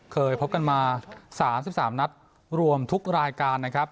เคยพบกันมา๓๓นัดรวมทุกรายการนะครับ